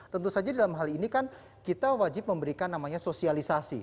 tentu saja dalam hal ini kan kita wajib memberikan namanya sosialisasi